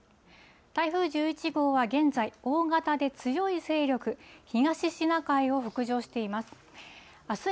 台風１１号は現在、大型で強い勢力、東シナ海を北上しています。